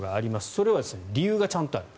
それは理由がちゃんとある。